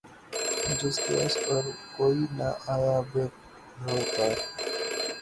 جزقیس اور کوئی نہ آیا بہ روے کار